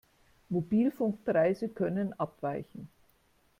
Mobilfunkpreise können abweichen.